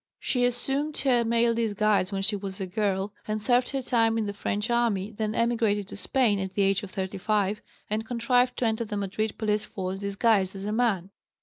She assumed her male disguise when she was a girl and served her time in the French army, then emigrated to Spain, at the age of 35, and contrived to enter the Madrid police force disguised as a man.